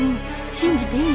信じていい？